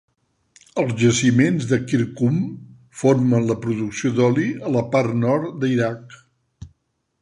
Els jaciments de Kirkuk formen la producció d'oli a la part nord d'Iraq.